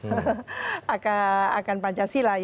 jadi romantisme kita terhadap pancasila